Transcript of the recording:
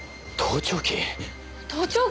盗聴器。